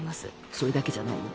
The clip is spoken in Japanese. それだけじゃないよ